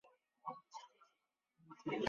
齐军得以迅速攻破宋国都城。